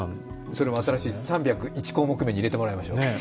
それも新しい３０１項目めに入れてもらいましょう。